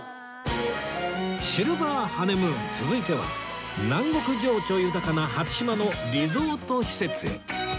シルバーハネムーン続いては南国情緒豊かな初島のリゾート施設へ